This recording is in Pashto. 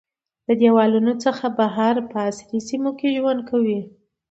د دیوالونو څخه بهر په عصري سیمو کې ژوند کوي.